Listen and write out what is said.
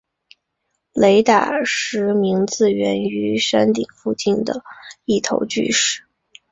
雷打石名字源于山顶附近的一头巨石。